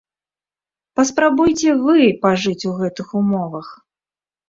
Паспрабуйце вы пажыць у гэтых умовах.